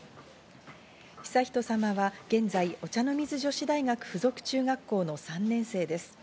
悠仁さまは現在、お茶の水女子大学附属中学校の３年生です。